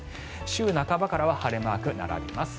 週半ばからは晴れマークが並びます。